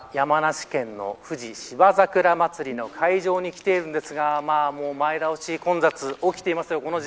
こちら山梨県の富士芝桜まつりの会場に来ているんですが前倒し混雑、起きていますよ。